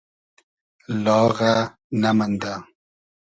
لاغۂ نئمئندۂ